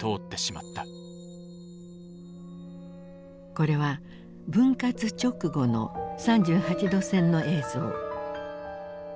これは分割直後の３８度線の映像。